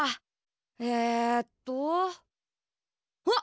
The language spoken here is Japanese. えっとあっ！